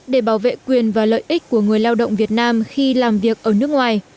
để bảo vệ quyền và lợi ích của người lao động việt nam khi làm việc ở nước ngoài